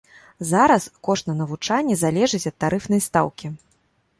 Зараз кошт на навучанне залежыць ад тарыфнай стаўкі.